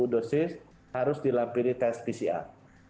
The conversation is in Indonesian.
satu dosis harus dilampiri tes pcr